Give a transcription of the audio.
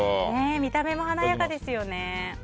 見た目も華やかですよね。